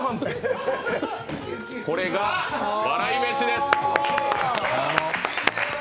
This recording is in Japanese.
これが笑い飯です！